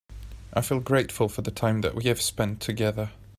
I feel grateful for the time that we have spend together.